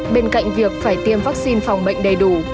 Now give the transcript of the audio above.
bên cạnh việc phải tiêm vaccine phòng bệnh đầy đủ